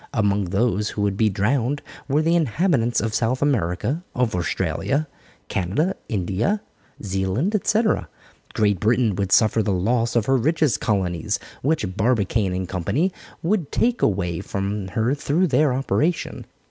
Among those who would be drowned were the inhabitants of South America, of Australia, Canada, India, Zealand, etc. Great Britain would suffer the loss of her richest colonies, which Barbicane & Co. would take away from her through their operation.